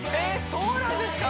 そうなんですか？